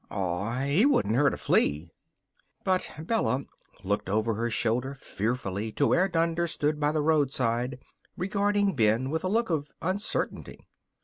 "Aw, he wouldn't hurt a flea." But Bella looked over her shoulder fearfully to where Dunder stood by the roadside, regarding Ben with a look of uncertainty.